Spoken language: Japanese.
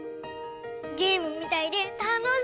ゲームみたいでたのしい！